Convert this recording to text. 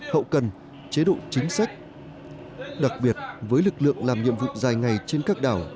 hậu cần chế độ chính sách đặc biệt với lực lượng làm nhiệm vụ dài ngày trên các đảo